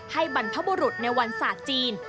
บรรพบุรุษในวันศาสตร์จีน